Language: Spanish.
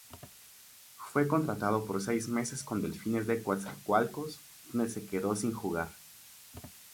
Fue contratado por seis meses con Delfines de Coatzacoalcos donde se quedó sin jugar.